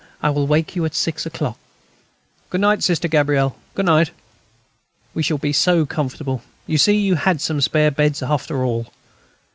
I will wake you at six o'clock." "Good night, Sister Gabrielle; good night.... We shall be so comfortable. You see, you had some spare beds, after all."